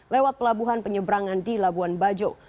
lewat pelabuhan penyeberangan di labuan bajo